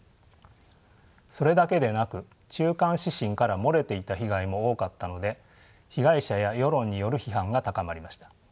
それだけでなく中間指針から漏れていた被害も多かったので被害者や世論による批判が高まりました。